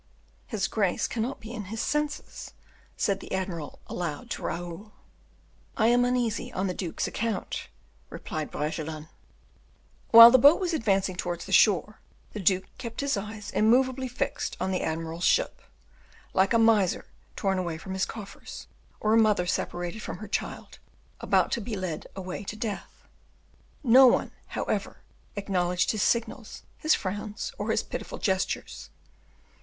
"His grace cannot be in his senses," said the admiral aloud to Raoul. "I am uneasy on the Duke's account," replied Bragelonne. While the boat was advancing towards the shore, the duke kept his eyes immovably fixed on the admiral's ship, like a miser torn away from his coffers, or a mother separated from her child, about to be lead away to death. No one, however, acknowledged his signals, his frowns, or his pitiful gestures.